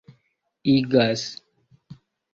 igas